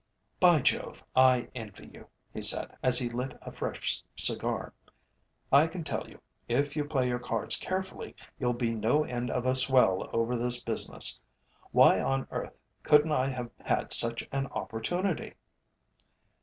"By Jove, I envy you," he said, as he lit a fresh cigar. "I can tell you, if you play your cards carefully, you'll be no end of a swell over this business. Why on earth couldn't I have had such an opportunity?"